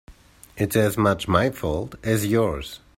It's as much my fault as yours.